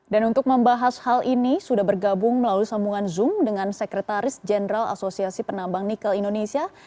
dan untuk membahas hal ini sudah bergabung melalui sambungan zoom dengan sekretaris jenderal asosiasi penambang nikel indonesia